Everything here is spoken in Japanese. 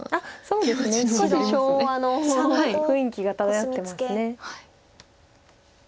少し昭和の雰囲気が漂ってます。